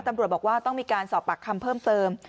ตำรวจบอกว่าต้องมีการสอบปากคำเพิ่มเติม